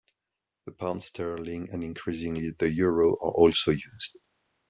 The pound sterling and increasingly the euro are also used.